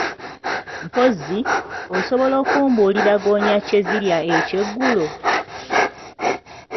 Mpozzi, osobola okumbulira ggoonya kye zirya ekyeggulo?